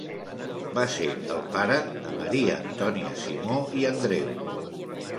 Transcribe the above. Va ser el pare de Maria Antònia Simó i Andreu.